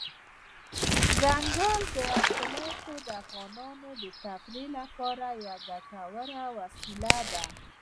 دځنګل حاصلات د افغانانو د تفریح لپاره یوه ګټوره وسیله ده.